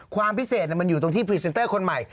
ความพิเศษมันอยู่ตรงที่พรีเซนเตอร์คนใหม่